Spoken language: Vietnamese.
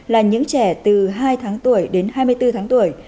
là những trẻ từ hai tháng tuổi đến hai mươi bốn tháng tuổi